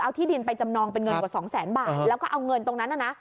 เอาที่ดินไปจำนองเป็นเงินกว่าสองแสนบาทแล้วก็เอาเงินตรงนั้นน่ะนะ